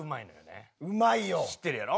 知ってるやろ？